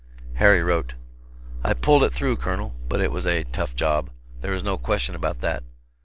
Harry wrote: "I pulled it through, Colonel, but it was a tough job, there is no question about that.